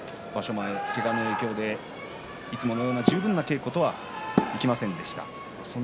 前、けがの影響でいつものような十分な稽古とはいきませんでした。